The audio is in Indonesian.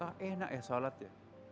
ah enak ya shalatnya